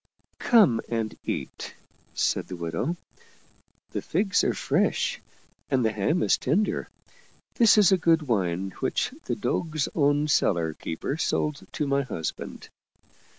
" Come and eat," said the widow. " The figs are fresh and the ham is tender. This is a good wine which the Doge's own cellar keeper sold to my husband.